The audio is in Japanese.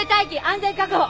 安全確保！